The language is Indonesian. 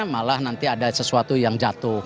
malah nanti ada sesuatu yang jatuh